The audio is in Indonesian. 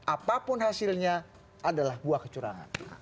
apapun hasilnya adalah buah kecurangan